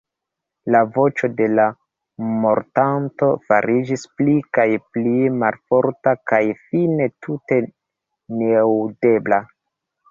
La voĉo de la mortanto fariĝis pli kaj pli malforta kaj fine tute neaŭdebla.